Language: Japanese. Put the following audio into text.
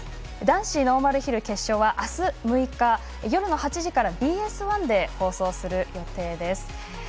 男子ノーマルヒル決勝はあす６日夜の８時からＢＳ１で放送する予定です。